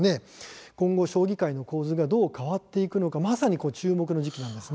今後、将棋界の構図がどう変わっていくのかまさに注目の時期なんです。